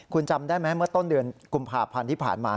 คุณจำได้ไหมเมื่อต้นเดือนกุมภาพันธ์ที่ผ่านมา